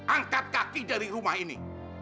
angkat kaki dari rumah ini